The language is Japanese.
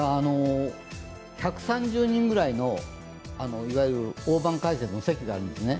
１３０人ぐらいの大盤解説の席があるんですね。